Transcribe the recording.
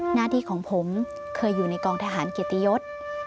หน้าที่ของผมเคยอยู่ในกองทหารเกียรติยศ